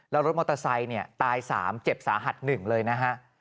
แล้วรถมอเตอร์ไซค์ตาย๓เจ็บสาหัส๑เลยนะฮะ